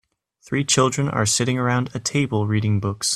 Three children are sitting around a table reading books